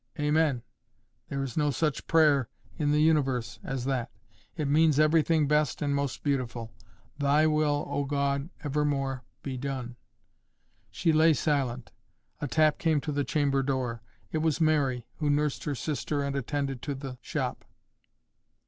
"Amen. There is no such prayer in the universe as that. It means everything best and most beautiful. Thy will, O God, evermore be done." She lay silent. A tap came to the chamber door. It was Mary, who nursed her sister and attended to the shop.